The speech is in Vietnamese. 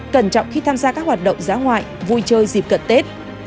cẩn trọng khi tham gia các hoạt động giá ngoại vui chơi dịp cận tết